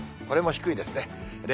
これも低いですね。